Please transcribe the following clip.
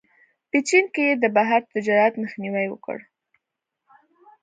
په چین کې یې د بهر تجارت مخنیوی وکړ.